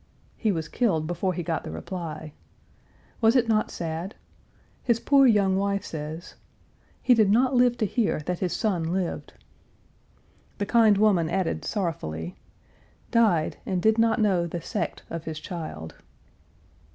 He was killed before he got the reply. Was it not sad? His poor young wife says, "He did not live to hear that his son lived." The kind woman added, sorrowfully, "Died and did not know the sect of his child."